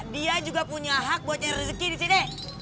dia juga punya hak buat nyari rezeki di sini